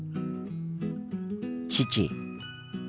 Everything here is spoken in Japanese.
父。